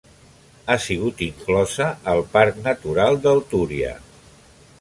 Ha sigut inclosa al Parc Natural del Túria.